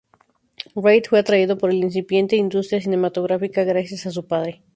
Reid fue atraído por la incipiente industria cinematográfica gracias a su padre.